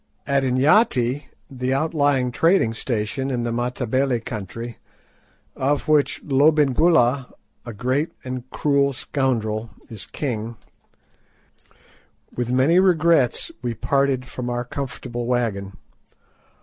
At Inyati, the outlying trading station in the Matabele country, of which Lobengula (a great and cruel scoundrel) is king, with many regrets we parted from our comfortable wagon.